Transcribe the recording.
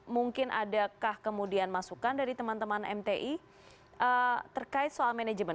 mungkin adakah kemudian masukan dari teman teman mti terkait soal manajemen